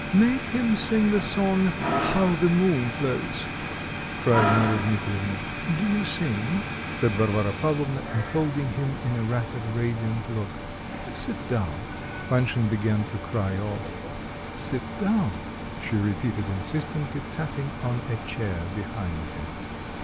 "Make him sing his song, 'How the Moon Floats,'" cried Marya Dmitrievna. "Do you sing?" said Varvara Pavlovna, enfolding him in a rapid radiant look. "Sit down." Panshin began to cry off. "Sit down," she repeated insistently, tapping on a chair behind him.